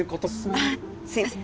あぁすみません。